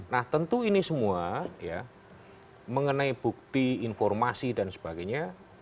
nah tentu ini semua ya mengenai bukti informasi dan sebagainya